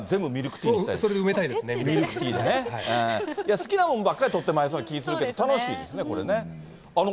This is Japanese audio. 好きなものばっかり取ってまいそうな気もするけど、楽しいですね、これね。